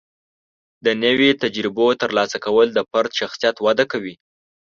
د نوي تجربو ترلاسه کول د فرد شخصیت وده کوي.